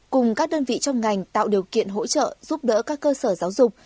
cùng các đơn vị trong ngành tạo điều kiện hỗ trợ giúp đỡ các cơ sở giáo dục